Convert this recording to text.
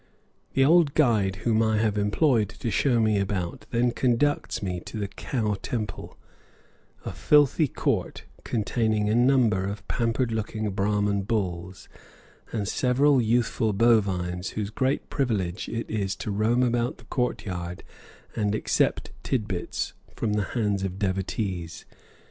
The old guide whom I have employed to show me about then conducts me into the "Cow Temple," a filthy court containing a number of pampered looking Brahman bulls, and several youthful bovines whose great privilege it is to roam about the court yard and accept tid bits from the hands of devotees.